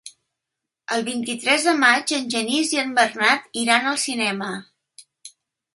El vint-i-tres de maig en Genís i en Bernat iran al cinema.